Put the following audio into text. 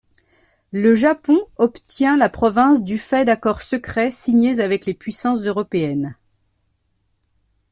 Le Japon obtient la province du fait d'accords secrets signés avec les puissances européennes.